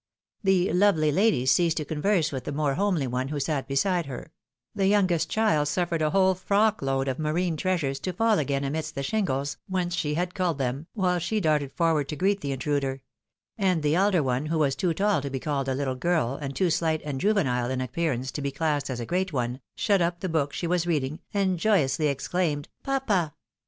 The lovely lady ceased to con verse with the more homely one, who sat beside her ; the youngest child suffered a whole frock load of marine treasures to fall again amidst the shingles, whence she had culled them, while she darted forward to greet the intruder ; and the elder one, who was too tall to be called a hctle girl, and too slight and juvenile in appearance to be classed as a great one, shut up the book she was reading, and joyously exclaimed, " Papa